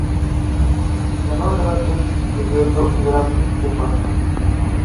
Ganó el Gran Prix de Llodio y el Gran Prix de Pascuas.